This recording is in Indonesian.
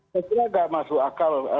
saya kira nggak masuk akal